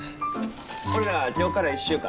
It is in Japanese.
俺ら今日から１週間